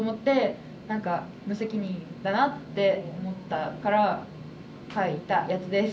何か無責任だなって思ったから書いたやつです。